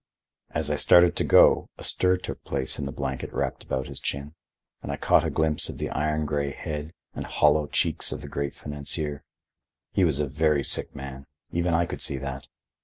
As I started to go, a stir took place in the blanket wrapped about his chin, and I caught a glimpse of the iron gray head and hollow cheeks of the great financier. He was a very sick man. Even I could see that.